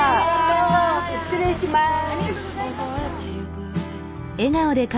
失礼します。